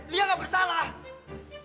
lia gak bersalah